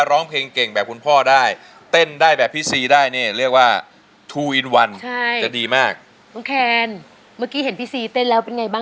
ขอบคุณคุณพ่อด้วยนะคะที่ขึ้นมาร้องเพลงเนอะ